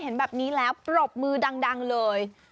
เห็นแบบนี้แล้วปรบมือดังเลย